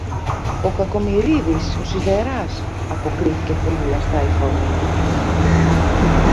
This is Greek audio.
ο Κακομοιρίδης, ο σιδεράς, αποκρίθηκε τρεμουλιαστά η φωνή.